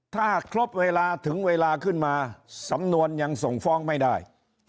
ถ้าครบเวลาถึงเวลาขึ้นมาสำนวนยังส่งฟ้องไม่ได้